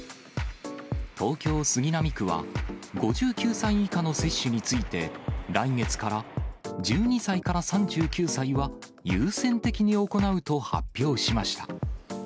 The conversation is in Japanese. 東京・杉並区は、５９歳以下の接種について、来月から１２歳から３９歳は、優先的に行うと発表しました。